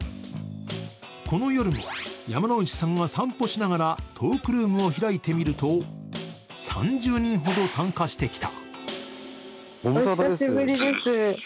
この夜も山之内さんは散歩しながらトークルームを開いてみると３０人ほど参加してきた。